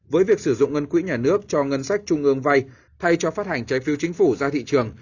với việc sử dụng ngân quỹ nhà nước cho ngân sách trung ương vay thay cho phát hành trái phiếu chính phủ ra thị trường